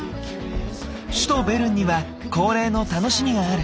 首都ベルンには恒例の楽しみがある。